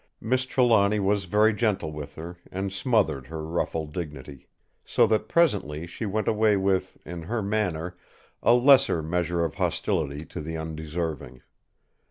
Miss Trelawny was very gentle with her, and smothered her ruffled dignity; so that presently she went away with, in her manner, a lesser measure of hostility to the undeserving.